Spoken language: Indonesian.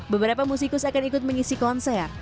beberapa musikus akan ikut mengisi konser